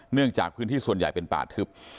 เนื่องจากพื้นที่ส่วนใหญ่เป็นป่าทึบ